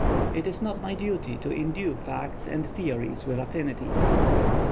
It is not my duty to indue facts and theories with affinity.